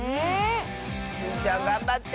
スイちゃんがんばって！